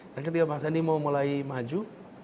dan ketika bang sandi mau mulai maju